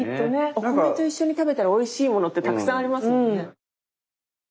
お米と一緒に食べたらおいしいものってたくさんありますもんね。